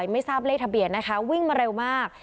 ไม่ทราบเลขทะเบียนนะคะวิ่งมาเร็วมาก